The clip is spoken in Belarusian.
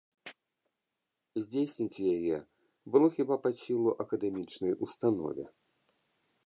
Здзейсніць яе было хіба пад сілу акадэмічнай установе.